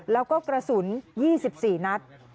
แล้วก็กระสุน๒๔นัด